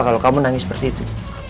kalau kamu nangis seperti itu